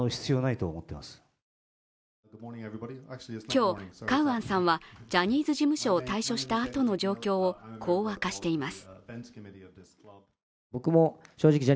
今日、カウアンさんはジャニーズ事務所を退所したあとの状況をこう明かしています。